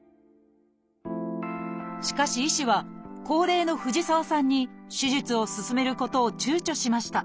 しかし医師は高齢の藤沢さんに手術を勧めることを躊躇しました。